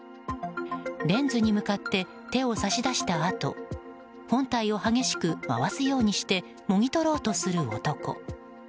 レンズに向かって手を差し出したあと本体を激しく回すようにしてもぎ取ろうとする男。